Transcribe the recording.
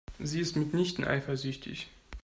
Sie ist mitnichten eifersüchtig.